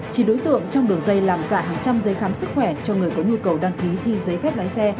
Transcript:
chỉ đối tượng trong đường dây làm cả hàng trăm dây khám sức khỏe cho người có nhu cầu đăng ký thi dây phép lái xe